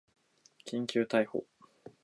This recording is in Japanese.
緊急逮捕